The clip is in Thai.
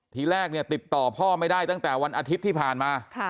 ทีแรกเนี่ยติดต่อพ่อไม่ได้ตั้งแต่วันอาทิตย์ที่ผ่านมา